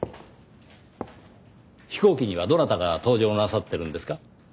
飛行機にはどなたが搭乗なさってるんですか？